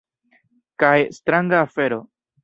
Kaj stranga afero.